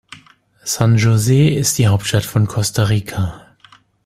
San José ist die Hauptstadt von Costa Rica.